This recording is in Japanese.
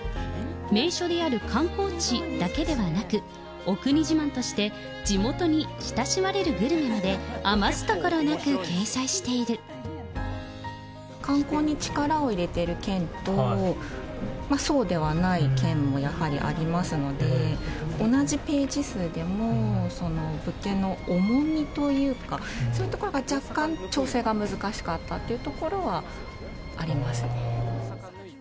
名所である観光地だけではなく、お国自慢として、地元に親しまれるグルメまで、観光に力を入れている県と、そうではない県もやはりありますので、同じページ数でも、物件の重みというか、そういうところが若干、調整が難しかったというところはあります